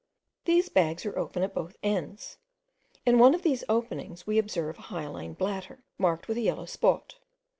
These bags are open at both ends. In one of these openings, we observed a hyaline bladder, marked with a yellow spot.